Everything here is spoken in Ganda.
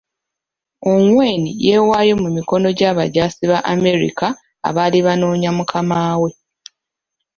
Ongwen yeewaayo mu mikono gy'abajaasi ba Amerika abali banoonya mukama we.